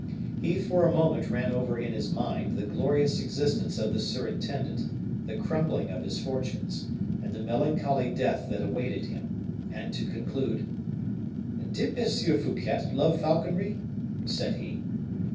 He for a moment ran over in his mind the glorious existence of the surintendant, the crumbling of his fortunes, and the melancholy death that awaited him; and to conclude, "Did M. Fouquet love falconry?" said he.